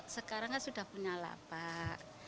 sekarang kan sudah punya lapak